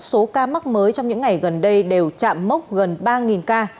số ca mắc mới trong những ngày gần đây đều chạm mốc gần ba ca